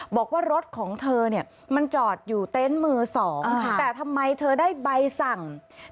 บอกว่ารถของเธอเนี่ยมันจอดอยู่เต้นมือสอง